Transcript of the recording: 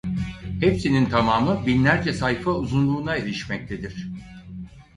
Hepsinin tamamı binlerce sayfa uzunluğuna erişmektedir.